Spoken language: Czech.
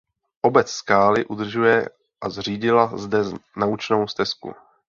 Obec skály udržuje a zřídila zde naučnou stezku.